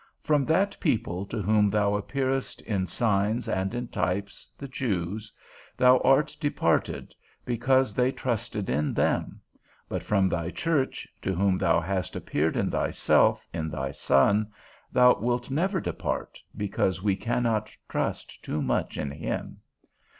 From that people to whom thou appearedst in signs and in types, the Jews, thou art departed, because they trusted in them; but from thy church, to whom thou hast appeared in thyself, in thy Son, thou wilt never depart, because we cannot trust too much in him.